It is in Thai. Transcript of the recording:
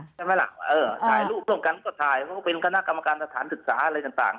ใช่ไหมล่ะเออถ่ายรูปร่วมกันก็ถ่ายเพราะเขาเป็นคณะกรรมการสถานศึกษาอะไรต่าง